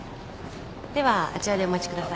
ではあちらでお待ちください。